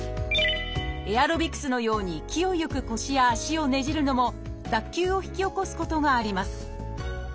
エアロビクスのように勢いよく腰や足をねじるのも脱臼を引き起こすことがあります